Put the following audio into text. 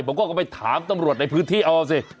ผมก็ไปถามตำรวจในพื้นที่เอาสิ